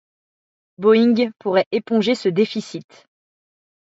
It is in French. Boeing pourrait éponger ce déficit.